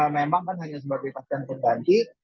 memang kan hanya sebagai kapten terganti